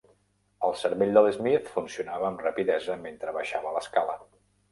El cervell de l'Smith funcionava amb rapidesa mentre baixava l'escala.